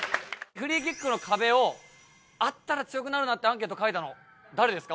「フリーキックの壁をあったら強くなるなってアンケート書いたの誰ですか？